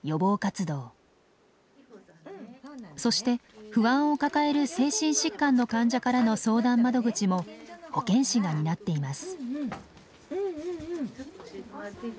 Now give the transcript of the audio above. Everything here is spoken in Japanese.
そして不安を抱える精神疾患の患者からの相談窓口も保健師が担っています。